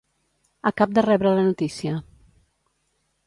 Acab de rebre la notícia.